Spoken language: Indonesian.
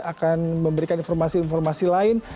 akan memberikan informasi informasi lain